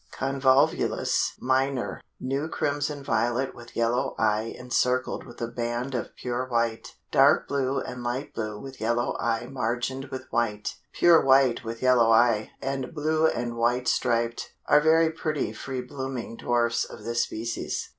Convolvulus minor new crimson violet with yellow eye encircled with a band of pure white; dark blue and light blue with yellow eye margined with white; pure white with yellow eye, and blue and white striped, are very pretty free blooming dwarfs of this species.